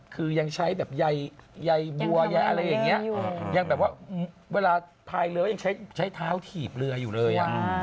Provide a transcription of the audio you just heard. คือยังใช้แบบใยบัวยละเออยังแบบว่าเวลาถ่ายเรือกันใช้ใช้เท้าถีบเรืออยู่เลยอ่ะ